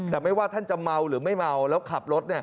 แต่ไม่ว่าท่านจะเมาหรือไม่เมาแล้วขับรถ